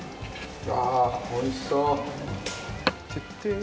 おいしそう。